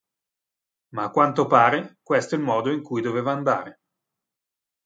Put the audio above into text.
Ma a quanto pare, questo è il modo in cui doveva andare".